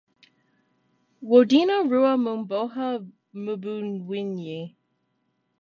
Wodeenda rura mbogha mbuwenyi.